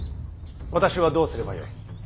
私はどうすればよい。